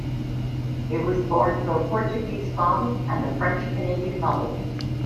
He was born to a Portuguese father and a French-Canadian mother.